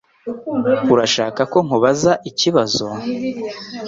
Urashaka ko nkubaza ikibazo?